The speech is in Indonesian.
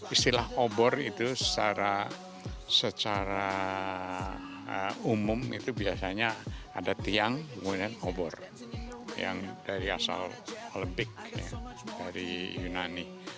istilah obor itu secara umum itu biasanya ada tiang kemudian obor yang dari asal olembik dari yunani